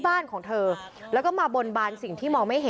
วิทยาลัยศาสตรี